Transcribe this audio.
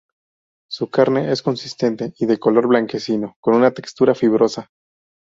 Su carne es consistente y de color blanquecino, con una textura fibrosa.